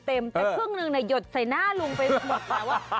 แต่เครื่องหนึ่งน่ะหยดใส่หน้าลุงไปหมดแล้ว